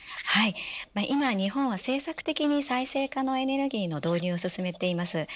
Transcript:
今、日本は政策的に再生可能エネルギーの導入を進めています。